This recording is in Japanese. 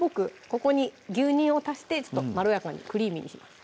ここに牛乳を足してちょっとまろやかにクリーミーにします